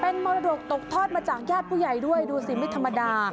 เป็นมรดกตกทอดมาจากญาติผู้ใหญ่ด้วยดูสิไม่ธรรมดา